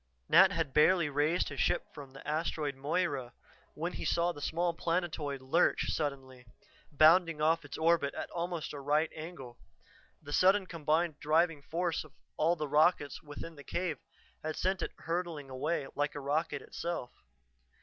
Nat had barely raised his ship from the Asteroid Moira when he saw the small planetoid lurch suddenly, bounding off its orbit at almost a right angle. The sudden combined driving force of all the rockets within the cave had sent it hurtling away like a rocket itself.